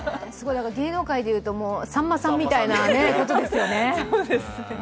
芸能界でいうと、さんまさんみたいなことですよね。